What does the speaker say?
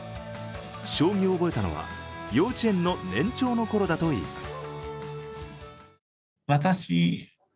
将棋を覚えたのは幼稚園の年長のころだといいます。